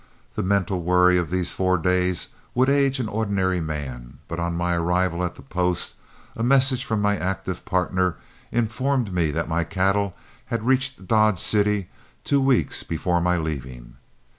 The mental worry of those four days would age an ordinary man, but on my arrival at the post a message from my active partner informed me that my cattle had reached Dodge City two weeks before my leaving.